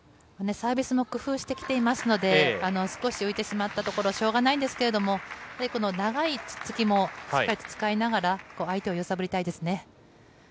サービスも工夫してきていますので、少し浮いてしまったところ、しょうがないんですけれども、やはりこの長いツッツキもしっかりと使いながら、相手を揺さぶりたいですね。